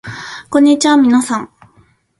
こんにちはみなさん